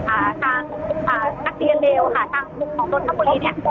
ทางอ่านักเรียนเลวค่ะทางกลุ่มของนนทบุรีเนี้ย